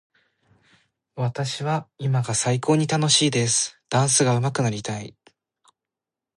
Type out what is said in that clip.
私は今が最高に楽しいです。ダンスがうまくなりたい。